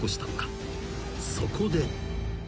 ［そこで］